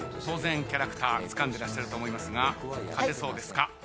当然キャラクターつかんでらっしゃると思いますが勝てそうですか？